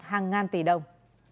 hàng ngàn tỷ đồng